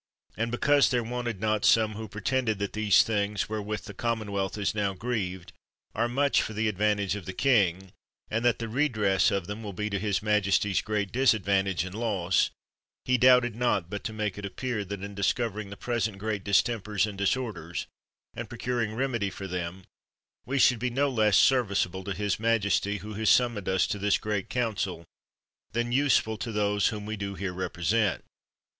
And because there wanted not some who pretended that these things, wherewith the com monwealth is now grieved, are much for the ad vantage of the king, and that the redress of them will be to his majesty's great disadvantage and loss, he doubted not but to make it appear, that in discovering the present great distempers and disorders, and procuring remedy for them, we should be no less serviceable to his majesty, who has summoned us to this great council, than useful to those whom we do here represent.